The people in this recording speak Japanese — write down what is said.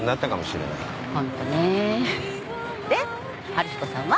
で春彦さんは？